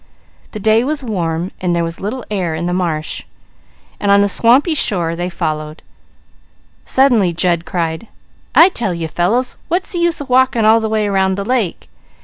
The day was warm, and there was little air in the marsh, and on the swampy shore they followed. Suddenly Jud cried: "I tell you fellows, what's the use of walking all the way round the lake?